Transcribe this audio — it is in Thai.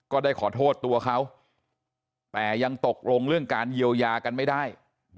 ก็ได้ขอโทษตัวเขาแต่ยังตกลงเรื่องการเยียวยากันไม่ได้